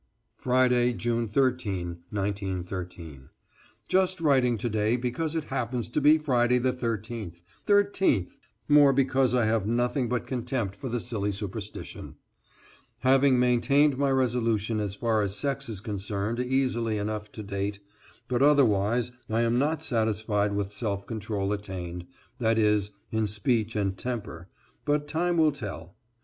=Friday, June 13, 1913.= Just writing to day because it happens to be Friday the 13th 13th more because I have nothing but contempt for the silly superstition. Have maintained my resolution as far as sex is concerned easily enough to date, but otherwise I am not satisfied with self control attained, that is, in speech and temper, but time will tell.